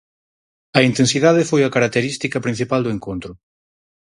A intensidade foi a característica principal do encontro.